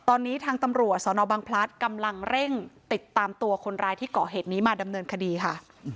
ตอนนี้ทางตำรวจสนบังพลัดกำลังเร่งติดตามตัวคนร้ายที่เกาะเหตุนี้มาดำเนินคดีค่ะ